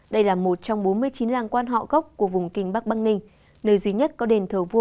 đây là một trong bốn mươi chín làng quan họ gốc của vùng kinh bắc băng ninh nơi duy nhất có đền thờ vua